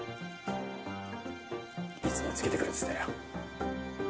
いつもつけてくれてたよ。